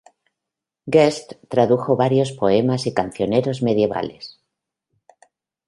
Guest tradujo varios poemas y cancioneros medievales.